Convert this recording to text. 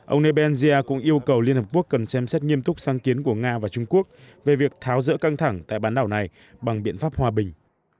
ông nebensia cũng yêu cầu liên hợp quốc cần xem xét nghiêm túc sáng kiến của nga và trung quốc về việc tháo rỡ căng thẳng tại bán đảo này bằng biện pháp hòa bình